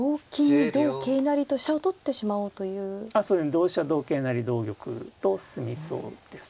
同飛車同桂成同玉と進みそうですね。